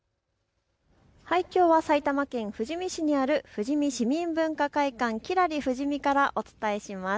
きょうは埼玉県富士見市にある富士見市文化会館キラリ☆ふじみからお伝えします。